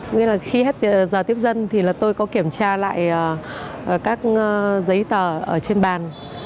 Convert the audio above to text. nghĩa là khi hết giờ tiếp dân thì là tôi có kiểm tra lại các giấy tờ ở trên bàn